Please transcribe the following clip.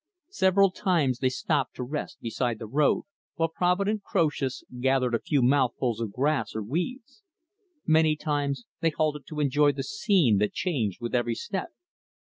Several times they stopped to rest beside the road, while provident Croesus gathered a few mouthfuls of grass or weeds. Many times they halted to enjoy the scene that changed with every step.